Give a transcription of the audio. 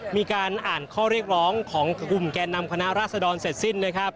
มีการอ่านข้อเรียกร้องของกลุ่มแก่นำคณะราษฎรเสร็จสิ้นนะครับ